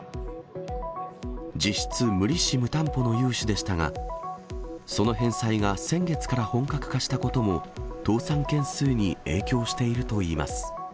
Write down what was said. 実質、無利子・無担保の融資でしたが、その返済が先月から本格化したことも、倒産件数に影響しているといいます。